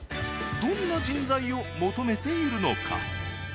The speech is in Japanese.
どんな人材を求めているのか？